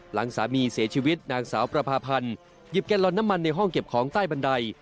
หลังสามีเสียชีวิตนางสาวประพาพันธ์หยิบแกนลอนน้ำมันในห้องเก็บของใต้บันได